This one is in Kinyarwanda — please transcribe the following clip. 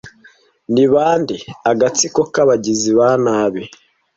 ni bande agatsiko k'abagizi ba nabi